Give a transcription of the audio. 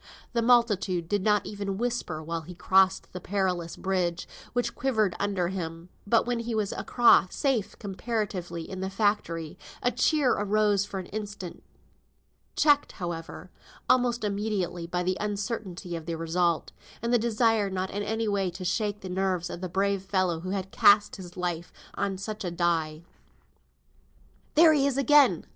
The multitude did not even whisper while he crossed the perilous bridge, which quivered under him; but when he was across, safe comparatively in the factory, a cheer arose for an instant, checked, however, almost immediately, by the uncertainty of the result, and the desire not in any way to shake the nerves of the brave fellow who had cast his life on such a die. "There he is again!"